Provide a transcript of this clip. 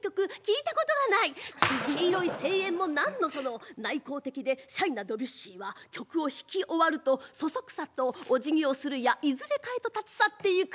黄色い声援もなんのその内向的でシャイなドビュッシーは曲を弾き終わるとそそくさとおじぎをするやいずれかへと立ち去っていく。